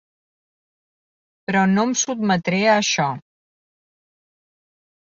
Però no em sotmetré a això!